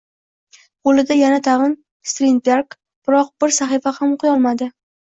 Qo`lida yana-tag`in Strindberg, biroq bir sahifa ham o`qiyolmadi